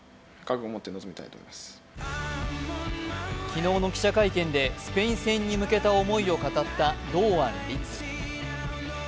昨日の記者会見でスペイン戦に向けた思いを語った堂安律。